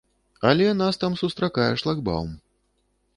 Але нас там сустракае шлагбаум.